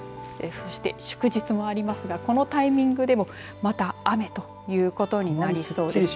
そして祝日もありますがこのタイミングでもまた雨ということになりそうです。